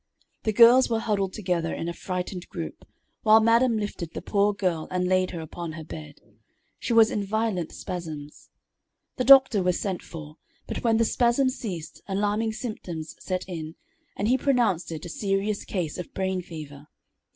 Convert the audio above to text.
The girls were huddled together in a frightened group, while madam lifted the poor girl and laid her upon her bed. She was in violent spasms. The doctor was sent for, but when the spasms ceased, alarming symptoms set in, and he pronounced it a serious case of brain fever.